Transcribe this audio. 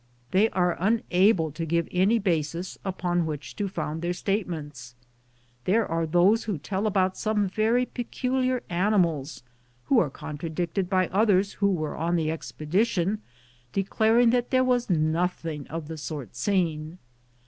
They are unable to give any basis upon which to found their state ments. There are those who tell about some very peculiar animals, who are contra dicted by others who were on the expe dition, declaring that there was nothing of the sort seen.